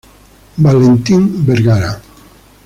Valentín Vergara.